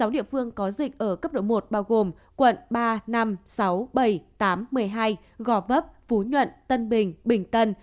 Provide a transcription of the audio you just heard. sáu địa phương có dịch ở cấp độ một bao gồm quận ba năm sáu bảy tám một mươi hai gò vấp phú nhuận tân bình bình tân